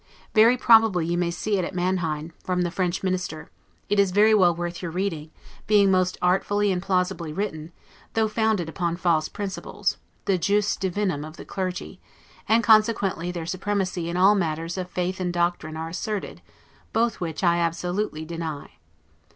Very probably you may see it at Manheim, from the French Minister: it is very well worth your reading, being most artfully and plausibly written, though founded upon false principles; the 'jus divinum' of the clergy, and consequently their supremacy in all matters of faith and doctrine are asserted; both which I absolutely deny.